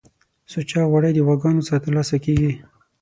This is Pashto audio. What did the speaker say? سوچه غوړی د غواګانو څخه ترلاسه کیږی